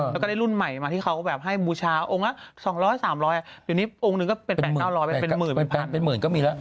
แล้วก็ได้รุ่นใหม่มาที่เขาก็แบบให้บูชาองค์ละสองร้อยสามร้อยอ่ะเดี๋ยวนี้องค์หนึ่งก็เป็นแปดเก้าร้อยเป็นเป็นหมื่นเป็นพันเป็นหมื่นก็มีแล้ว